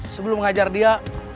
sebelum hajar dia